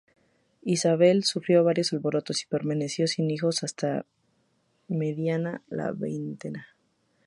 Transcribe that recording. Isabel sufrió varios abortos y permaneció sin hijos hasta mediada la veintena.